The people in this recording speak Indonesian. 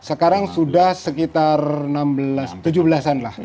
sekarang sudah sekitar tujuh belas an lah